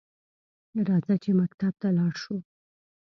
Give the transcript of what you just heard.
راځه چې مکتب ته لاړشوو؟